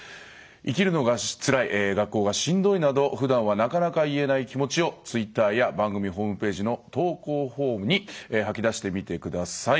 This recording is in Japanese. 生きるのがつらい学校がしんどいなどふだんはなかなか言えない気持ちをツイッターや番組ホームページの投稿フォームに吐き出してみてください。